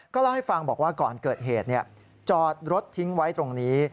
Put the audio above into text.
เล่าให้ฟังบอกว่าก่อนเกิดเหตุจอดรถทิ้งไว้ตรงนี้